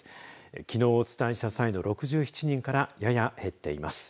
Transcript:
きのうお伝えした際の６７人からやや減っています。